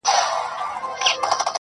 مالي پرمختګ